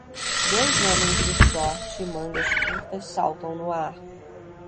Dois homens de short e mangas curtas saltam no ar